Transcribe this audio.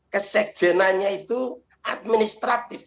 kesekjenannya itu administratif